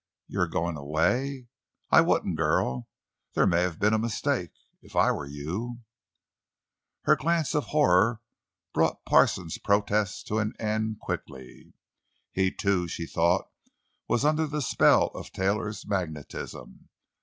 You are going away? I wouldn't, girl; there may have been a mistake. If I were you——" Her glance of horror brought Parsons' protests to an end quickly. He, too, she thought, was under the spell of Taylor's magnetism.